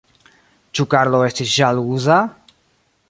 Ĉu Karlo estis ĵaluza?